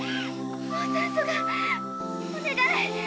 もう酸素がお願い。